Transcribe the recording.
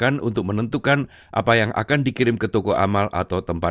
cara untuk mengatasi ini adalah jika anda tidak akan memberikannya kepada teman